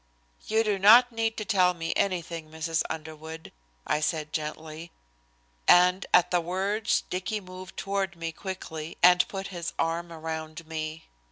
"You do not need to tell me anything, Mrs. Underwood," I said gently, and at the words Dicky moved toward me quickly and put his arm around me.